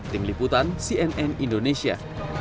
ting liputan cnn indonesia